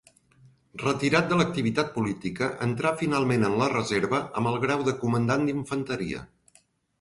Retirat de l'activitat política, entrà finalment en la reserva amb el grau de comandant d'infanteria.